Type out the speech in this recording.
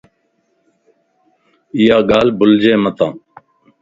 ايا ڳالھ بلجي متان